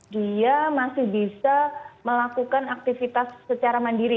dia masih bisa melakukan aktivitas secara mandiri